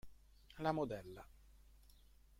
La modella